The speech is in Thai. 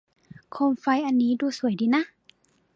โคมไฟอันนี้ดูสวยดีนะ